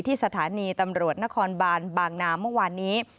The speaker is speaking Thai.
สถานีตำรวจนครบานบางนาเมื่อวานนี้